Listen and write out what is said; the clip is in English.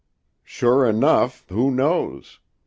'" Sure enough, who knows?